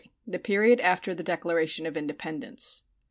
THE PERIOD AFTER THE DECLARATION OF INDEPENDENCE.